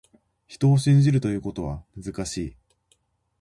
人を信じるということは、難しい。